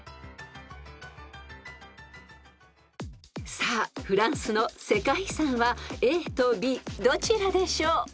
［さあフランスの世界遺産はＡとＢどちらでしょう？］